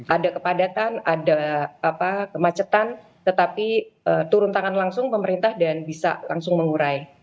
ada kepadatan ada kemacetan tetapi turun tangan langsung pemerintah dan bisa langsung mengurai